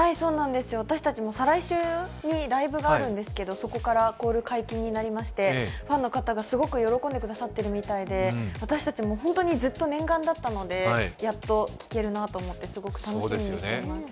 私たちも再来週にライブがあるんですけどそこからコール解禁になりまして、ファンの方がすごく喜んでくださってるみたいで、私たちも本当にずっと念願だったのでやっと聞けるなと思ってすごく楽しみにしています。